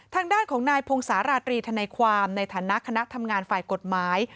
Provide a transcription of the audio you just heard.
ทางด้านของนายพงศาลาตรีธนายความในฐานะคณะทำงานฝ่ายกฎหมาย